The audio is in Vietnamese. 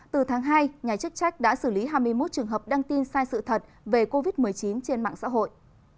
từ tháng hai nhà chức trách đã xử lý hai mươi một trường hợp đăng tin sai sự thật về covid một mươi chín trên mạng xã hội